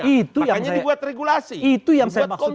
makanya dibuat regulasi